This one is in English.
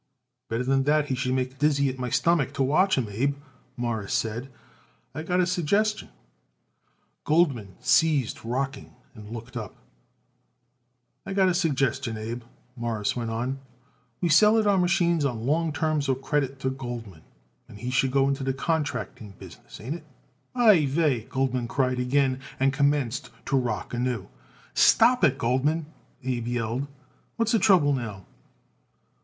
"Better than that he should make me dizzy at my stomach to watch him, Abe," Morris said. "I got a suggestion." Goldman ceased rocking and looked up. "I got a suggestion, Abe," Morris went on, "that we sell it our machines on long terms of credit to Goldman, and he should go into the contracting business; ain't it?" "Ai vai!" Goldman cried again, and commenced to rock anew. "Stop it, Goldman," Abe yelled. "What's the trouble now?"